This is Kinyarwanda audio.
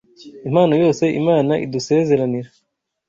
Impano yose Imana idusezeranira